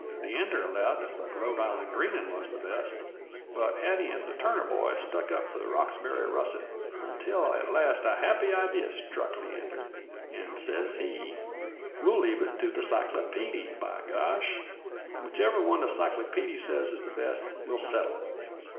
Leander allowed that the Rhode Island greenin' wuz the best, but Hattie and the Turner boy stuck up f'r the Roxbury russet, until at last a happy idee struck Leander, and sez he: "We'll leave it to the cyclopeedy, b'gosh! Whichever one the cyclopeedy sez is the best will settle it."